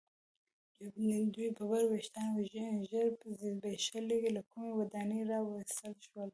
دوی ببر ویښتان او ژیړ زبیښلي له کومې ودانۍ را ویستل شول.